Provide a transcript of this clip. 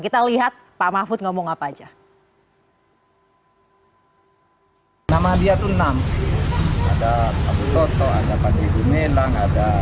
kita lihat pak mahfud ngomong apa aja nama dia tuh enam ada pak sutoto ada panji gumilang ada